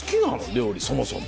料理そもそも。